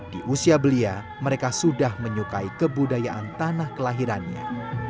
di usia belia mereka sudah menyukai kebudayaan tanah kelahirannya